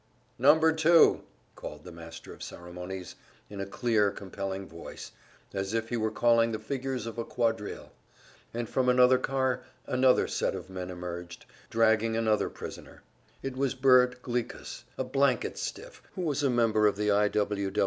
"Number two!" called the master of ceremonies, in a clear, compelling voice, as if he were calling the figures of a quadrille; and from another car another set of men emerged, dragging another prisoner. It was Bert Glikas, a "blanket stiff" who was a member of the I. W.